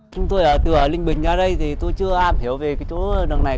chúng tôi từ linh bình ra đây thì tôi chưa am hiểu về cái chỗ đường này